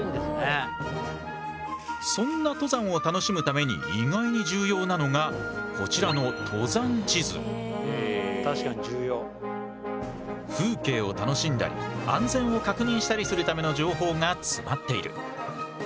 そんな登山を楽しむために意外に重要なのがこちらの風景を楽しんだり安全を確認したりするための情報が詰まっている。